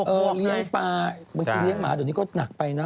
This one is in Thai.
เออเลี้ยงปลาเมื่อกี้เลี้ยงหมาตอนนี้ก็หนักไปนะ